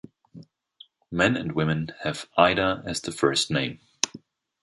Men and women have Ida as the first name.